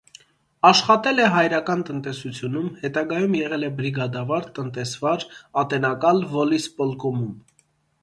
Աշխատել է հայրական տնտեսությունում, հետագայում եղել է բրիգադավար, տնտեսվար, ատենակալ վոլիսպոլկոմում։